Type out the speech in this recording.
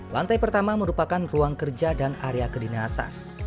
lantai pertama merupakan ruang kerja dan area kedinasan